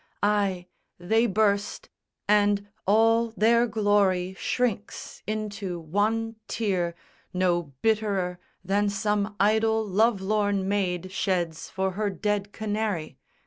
Ay, they burst, And all their glory shrinks into one tear No bitterer than some idle love lorn maid Sheds for her dead canary.